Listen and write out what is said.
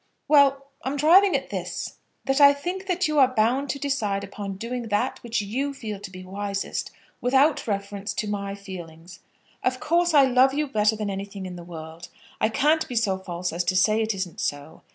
"Well; I'm driving at this: that I think that you are bound to decide upon doing that which you feel to be wisest without reference to my feelings. Of course I love you better than anything in the world. I can't be so false as to say it isn't so.